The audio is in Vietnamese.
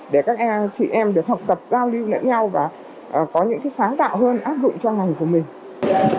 để các chị em được học tập giao lưu lẫn nhau và có những sáng tạo hơn áp dụng cho ngành của mình